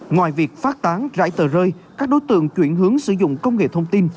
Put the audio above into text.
ngoài việc phát tán rải tờ rơi các đối tượng chuyển hướng sử dụng công nghệ thông tin